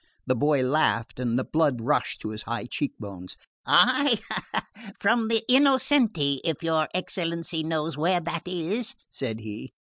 The boy laughed and the blood rose to his high cheekbones. "I? From the Innocenti, if your Excellency knows where that is," said he.